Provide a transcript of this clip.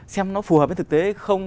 xem nó phù hợp với thực tế không